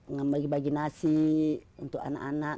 ngebagi bagi nasi untuk anak anak